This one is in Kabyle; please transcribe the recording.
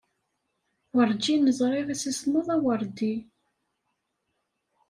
Werǧin ẓriɣ imsismeḍ aweṛdi.